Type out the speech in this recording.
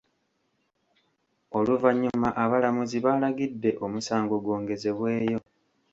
Oluvannyuma abalamuzi baalagidde omusango gwongezebweyo.